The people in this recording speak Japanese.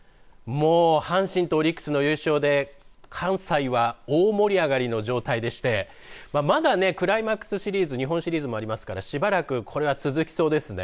もう阪神とオリックスの優勝で関西は大盛り上がりの状態でしてまだクライマックスシリーズ日本シリーズもありますからしばらくこれは続きそうですね。